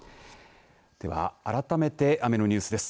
では、改めて雨のニュースです。